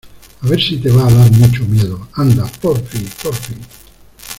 a ver si te va a dar mucho miedo. anda, porfi , porfi .